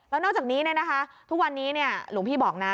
แล้วนอกจากนี้เนี่ยนะคะทุกวันนี้เนี่ยหลวงพี่บอกนะ